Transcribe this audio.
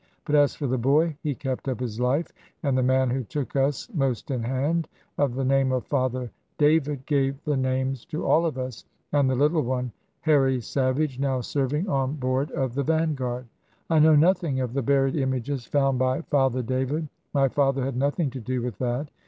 But as for the boy, he kept up his life; and the man who took us most in hand, of the name of 'Father David,' gave the names to all of us, and the little one 'Harry Savage,' now serving on board of the Vanguard. I know nothing of the buried images found by Father David. My father had nothing to do with that.